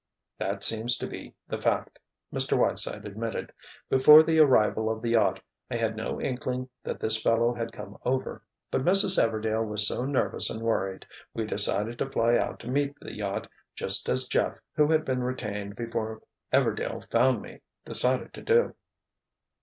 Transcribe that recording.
"That seems to be the fact," Mr. Whiteside admitted. "Before the arrival of the yacht I had no inkling that this fellow had come over; but Mrs. Everdail was so nervous and worried, we decided to fly out to meet the yacht, just as Jeff, who had been retained before Everdail found me, decided to do."